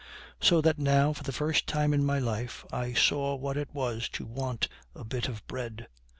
So that now for the first time in my life I saw what it was to want a bit of bread.